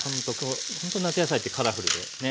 ほんと夏野菜ってカラフルでね